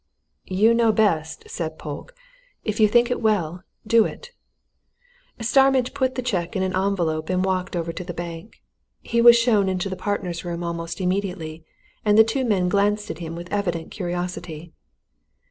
"You know best," said Polke. "If you think it well, do it." Starmidge put the cheque in an envelope and walked over to the bank. He was shown into the partners' room almost immediately, and the two men glanced at him with evident curiosity.